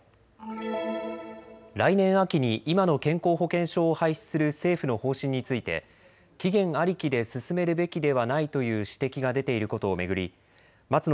来年秋に今の健康保険証を廃止する政府の方針について期限ありきで進めるべきではないという指摘が出ていることを巡り松野